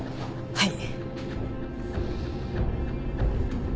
はい。